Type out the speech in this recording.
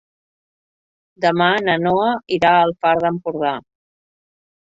Demà na Noa irà al Far d'Empordà.